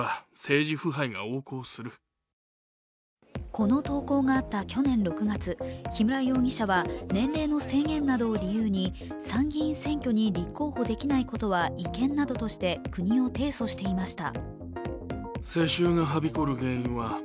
この投稿があった去年６月、木村容疑者は年齢の制限などを理由に参議院選挙に立候補できないことは違憲などとして国を提訴していました。